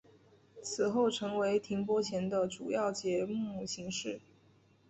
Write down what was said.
此后成为停播前的主要节目形式。